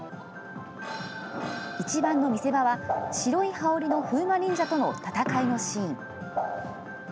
一番の見せ場は、白い羽織の風魔忍者との戦いのシーン。